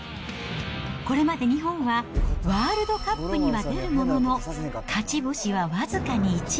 これまで日本は、ワールドカップには出るものの、勝ち星は僅かに１。